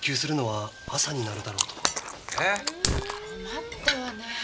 困ったわね。